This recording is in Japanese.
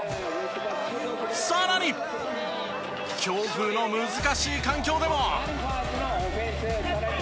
さらに強風の難しい環境でも。